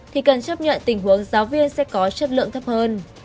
thì cần chấp nhận tình huống giáo viên sẽ có chất lượng thấp hơn